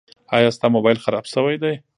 ایا ستا مبایل خراب شوی ده؟